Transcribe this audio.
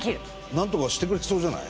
なんとかしてくれそうじゃない？